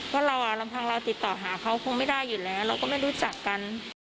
เพราะเราลำพังเราติดต่อหาเขาคงไม่ได้อยู่แล้วเราก็ไม่รู้จักกัน